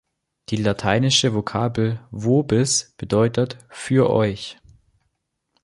Die lateinische Vokabel „vobis“ bedeutet „für euch“.